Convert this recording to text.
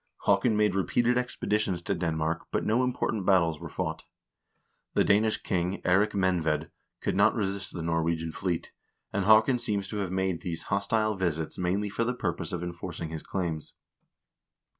Haakon made repeated expeditions to Denmark, but no important battles were fought. The Danish king, Eirik Menved, could not resist the Nor wegian fleet, and Haakon seems to have made these hostile visits mainly for the purpose of enforcing his claims.